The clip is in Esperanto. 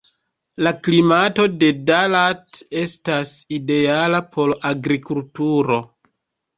La klimato de Da Lat estas ideala por agrikulturo.